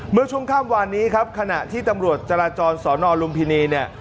เมื่อช่วงข้ามวานนี้ครับขณะที่ตำรวจจราจรสอนอลุมพินีเนี่ย